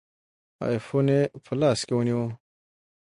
آیفون یې په لاس کې ونیوه.